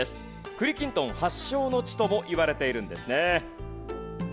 栗きんとん発祥の地ともいわれているんですね。